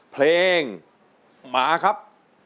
เพลงมาครับ